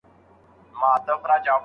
ځان سره مهربانه اوسېدل د سولې پیل دی.